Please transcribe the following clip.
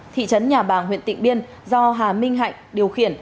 thị trấn nhà bàng huyện tịnh biên do hà minh hạnh điều khiển